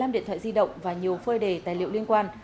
một mươi năm điện thoại di động và nhiều phơi đề tài liệu liên quan